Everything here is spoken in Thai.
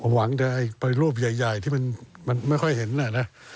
หวังจะไปรูปใหญ่ที่มันไม่ค่อยเห็นน่ะนะ